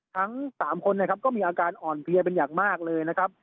ทั้ง๓คนนะครับก็มีอาการอ่อนเพลียเป็นอย่างมากเลยนะครับ